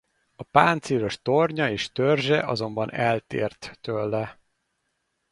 A páncélos tornya és törzse azonban eltért tőle.